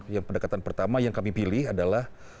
yang pendekatan pertama yang kami pilih adalah